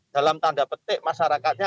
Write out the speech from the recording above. dalam tanda petik masyarakatnya